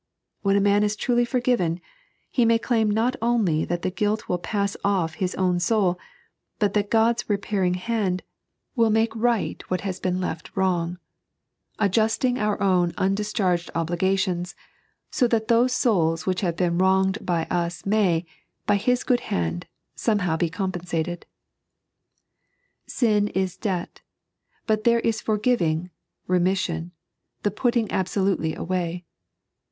When a man is truly forgiven, he may claim not only that the guilt wilt pass off his own soul, but that God's repairing hand will make right what 3.n.iized by Google 180 Thb Disciples' Peatek. has been left wrong ; adjusting our undischarged obligations, 80 that those bouIs which have been wronged by ns may, by His good hand, Bomehow be compensated. Sin is debt; but there is forgiving, remission, the putting absolutely away.